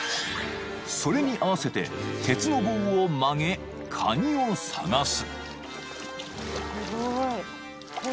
［それに合わせて鉄の棒を曲げカニを探す］